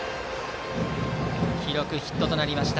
記録、ヒットとなりました。